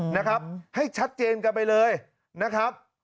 นะครับให้ชัดเจนกันไปเลยนะครับ